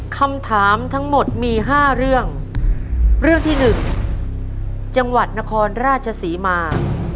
คำถามทั้งหมดมีห้าเรื่องเรื่องที่หนึ่งจังหวัดนครราชศรีมา